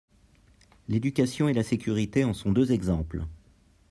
L’éducation et la sécurité en sont deux exemples.